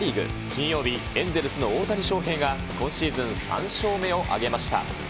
金曜日、エンゼルスの大谷翔平が、今シーズン３勝目を挙げました。